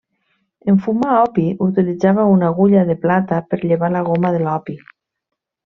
En fumar opi, utilitzava una agulla de plata per llevar la goma de l'opi.